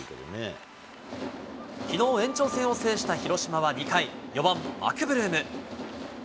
きのう延長戦を制した広島は２回、４番マクブルーム。